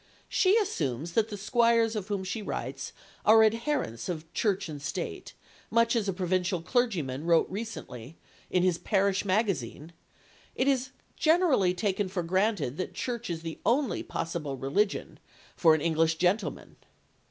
She assumes that the squires of whom she writes are adherents of Church and State, much as a provincial clergyman wrote quite recently in his Parish Magazine: "It is generally taken for granted that Church is the only possible religion for an English gentleman."